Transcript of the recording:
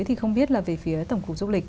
thì không biết là về phía tổng cục du lịch